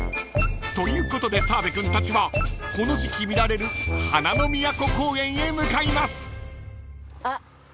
［ということで澤部君たちはこの時季見られる花の都公園へ向かいます］